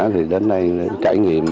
thì đến đây trải nghiệm